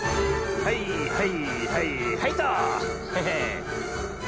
はいはい！